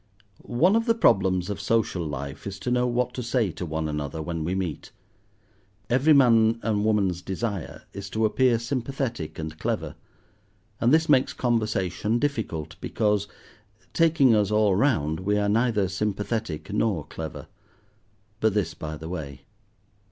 One of the problems of social life is to know what to say to one another when we meet; every man and woman's desire is to appear sympathetic and clever, and this makes conversation difficult, because, taking us all round, we are neither sympathetic nor clever—but this by the way.